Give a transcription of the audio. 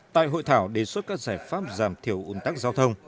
tại hội thảo đề xuất các giải pháp giảm thiểu ủn tắc giao thông